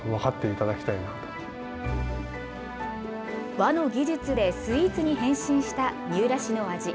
和の技術でスイーツに変身した三浦市の味。